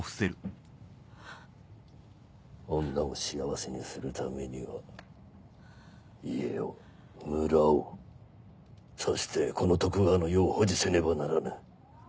女を幸せにするためには家を村をそしてこの徳川の世を保持せねばならぬ。